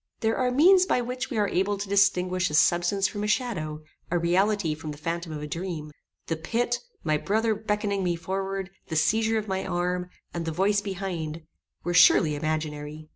There are means by which we are able to distinguish a substance from a shadow, a reality from the phantom of a dream. The pit, my brother beckoning me forward, the seizure of my arm, and the voice behind, were surely imaginary.